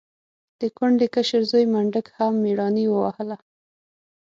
د کونډې کشر زوی منډک هم مېړانې ووهله.